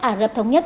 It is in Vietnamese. ả rập thống nhất